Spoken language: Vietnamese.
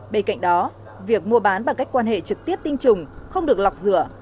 bên cạnh đó việc mua bán bằng cách quan hệ trực tiếp tinh trùng không được lọc rửa